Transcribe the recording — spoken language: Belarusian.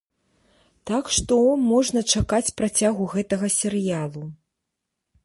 Так што можна чакаць працягу гэтага серыялу.